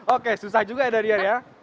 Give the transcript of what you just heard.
oke susah juga ya darian ya